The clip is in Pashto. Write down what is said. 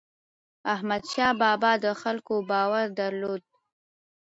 احمدشاه بابا د خلکو باور درلود.